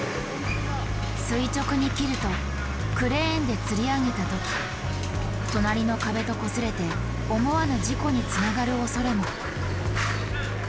垂直に切るとクレーンでつり上げた時隣の壁とこすれて思わぬ事故につながるおそれも。